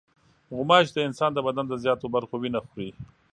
غوماشې د انسان د بدن د زیاتو برخو وینه خوري.